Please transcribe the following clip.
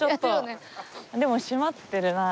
でも閉まってるなあ。